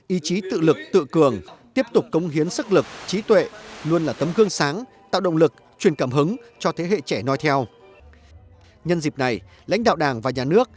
ý chí tự lực tự cường tiếp tục cống hiến sức lực trí tuệ luôn là tấm gương sáng tạo động lực truyền cảm hứng cho thế hệ trẻ nói theo